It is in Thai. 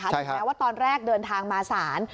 ถึงแม้ว่าตอนแรกเดินทางมาศาล